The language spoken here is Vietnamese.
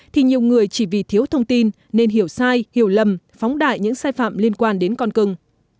thì nhiều người chỉ vì thiếu thông tin nên hiểu sai hiểu lầm phóng đại những sai phạm liên quan đến con cưng